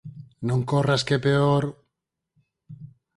Non corras que é peor!